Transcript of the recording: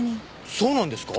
そうなんですか？